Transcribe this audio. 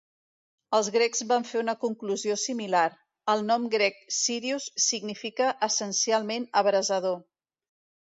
Els grecs van fer una conclusió similar: el nom grec Sírius significa essencialment abrasador.